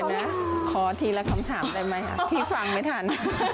นะขอทีละคำถามได้ไหมพี่ฟังไม่ทัน